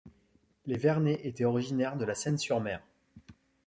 Les Vernet étaient originaires de La Seyne-sur-Mer.